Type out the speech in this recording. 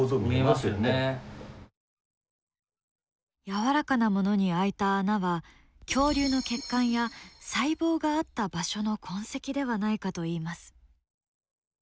やわらかなものに開いた穴は恐竜の血管や細胞があった場所の痕跡ではないかといいます。